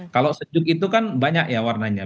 kalau sejuk itu kan banyak ya warnanya